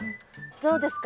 どうですか？